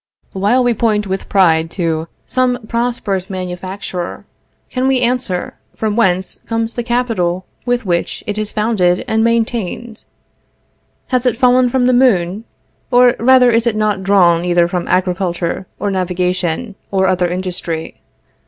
While we point with pride to some prosperous manufacture, can we answer, from whence comes the capital with which it is founded and maintained? Has it fallen from the moon? or rather is it not drawn either from agriculture, or navigation, or other industry?